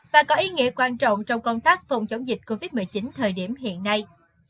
và có ý nghĩa quan trọng trong công tác phòng chống dịch covid một mươi chín thời điểm hiện nay